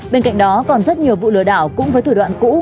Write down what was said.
bên cạnh đó còn rất nhiều vụ lừa đảo cũng với thủ đoạn cũ